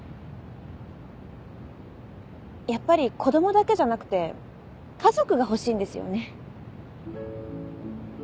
やっぱり子供だけじゃなくて家族が欲しいんですよね。